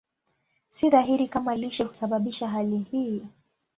Si dhahiri kama lishe husababisha hali hii.